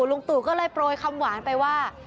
ลุงตู่ก็เลยโปรยคำหวานไปว่า